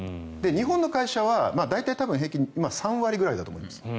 日本の会社は大体、平均３割ぐらいだと思います。